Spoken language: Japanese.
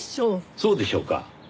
そうでしょうか？